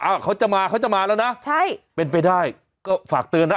เขาจะมาเขาจะมาแล้วนะใช่เป็นไปได้ก็ฝากเตือนนะ